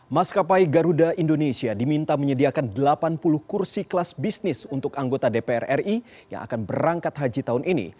maskapai garuda indonesia diminta menyediakan delapan puluh kursi kelas bisnis untuk anggota dpr ri yang akan berangkat haji tahun ini